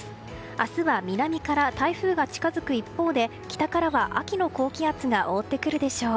明日は南から台風が近づく一方で北からは秋の高気圧が覆ってくるでしょう。